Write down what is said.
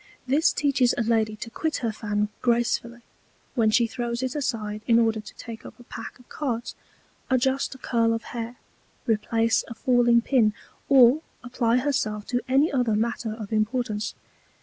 This teaches a Lady to quit her Fan gracefully, when she throws it aside in order to take up a Pack of Cards, adjust a Curl of Hair, replace a falling Pin, or apply her self to any other Matter of Importance.